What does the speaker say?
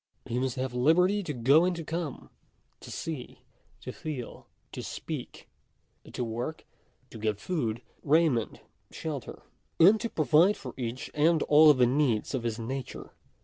He must have liberty to go and to come, to see, to feel, to speak, to work; to get food, raiment, shelter, 1 and to provide for each and all of the needs of his nature.